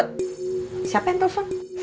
tut siapa yang telfon